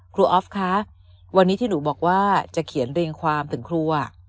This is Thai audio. ออฟคะวันนี้ที่หนูบอกว่าจะเขียนเรียงความถึงครัว